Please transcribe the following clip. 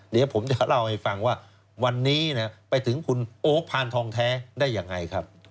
เดี๋ยวผมจะเล่าให้ฟังว่าวันนี้ไปถึงคุณโอ๊คพานทองแท้ได้ยังไงครับ